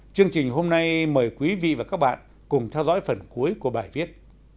chương trình hôm nay mời quý vị và các bạn cùng theo dõi phần cuối của bài viết